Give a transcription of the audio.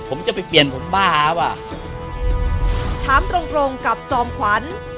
ผมจะไปเปลี่ยนผมบ้าฮะว่ะ